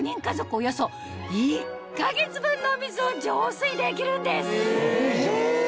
およそ１か月分のお水を浄水できるんですすごいじゃん！